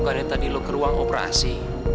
karena tadi lo ke ruang operasi